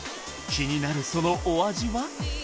気になるそのお味は？